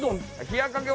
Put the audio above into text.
冷やかけ